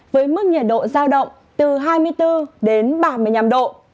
với mức nhiệt độ giao động từ hai mươi bốn đến ba mươi năm độ